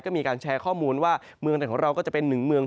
ก็มีการแชร์ข้อมูลว่าเมืองไหนของเราก็จะเป็นหนึ่งเมือง